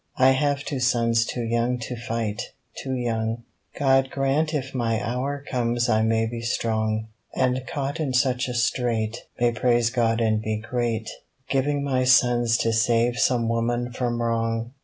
I have two sons too young to fight, too young, God grant if my hour comes I may be strong, And caught in such a strait May praise God and be great, Giving my sons to save some woman from wrong